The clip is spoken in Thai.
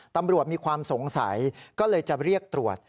มีความสงสัยก็เลยจะเรียกตรวจ